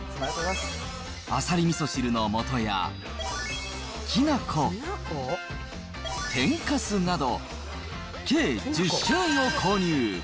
アサリみそ汁のもとや、きなこ、天かすなど、計１０種類を購入。